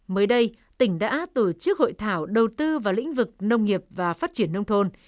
mới đây tỉnh đã tổ chức hội thảo đầu tư vào lĩnh vực nông nghiệp và phát triển nông thôn